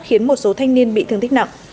khiến một số thanh niên bị thương tích nặng